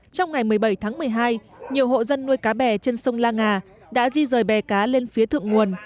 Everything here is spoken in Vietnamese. trong ngày một mươi bảy tháng một mươi hai nhiều hộ dân nuôi cá bè trên sông la ngà đã di rời bè cá lên phía thượng nguồn